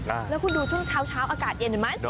แล้วคุณดูช่วงเช้าอากาศเย็นเห็นไหม